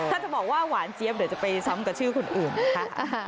ถ้าจะบอกว่าหวานเจี๊ยบเดี๋ยวจะไปซ้ำกับชื่อคนอื่นนะคะ